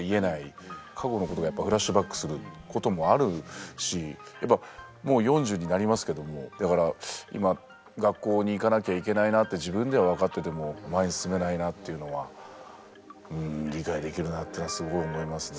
過去のことがやっぱフラッシュバックすることもあるしやっぱもう４０になりますけどもだから今学校に行かなきゃいけないなって自分では分かってても前に進めないなっていうのはうん理解できるなっていうのはすごい思いますね。